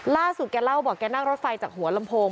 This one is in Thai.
ล่าสุดแกเล่าบอกแกนักรถไฟจากหัวลำโพง